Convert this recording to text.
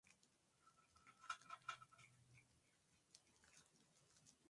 De estas variedades, seis se cultivan a gran escala.